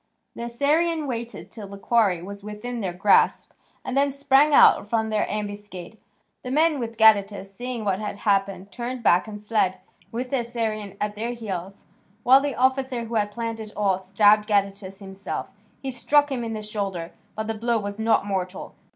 The Assyrians waited till the quarry was within their grasp and then sprang out from their ambuscade. The men, with Gadatas, seeing what had happened, turned back and fled, as one might expect, with the Assyrians at their heels, while the officer who had planned it all stabbed Gadatas himself. He struck him in the shoulder, but the blow was not mortal.